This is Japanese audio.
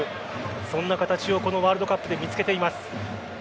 そんな形をこのワールドカップで見つけています。